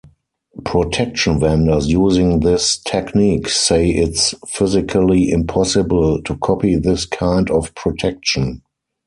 Protection-vendors using this technique say it's "physically impossible" to copy this kind of protection.